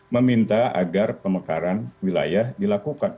meminta agar pemekaran wilayah dilakukan